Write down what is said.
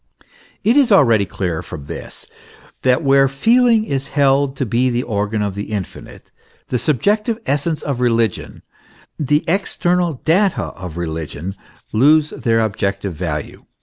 It is already clear from this that where feeling is held to be the organ of the infinite, the subjective essence of religion, the external data of religion lose their objective value.